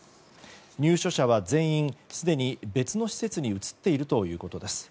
入所者は全員すでに別の施設に移っているということです。